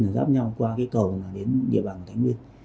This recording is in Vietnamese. là ráp nhau qua cái cầu đến địa bàn của thái nguyên